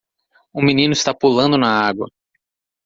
Um menino está pulando na água